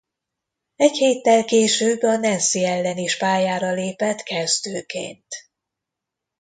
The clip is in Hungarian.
Egy héttel később a Nancy ellen is pályára lépett kezdőként.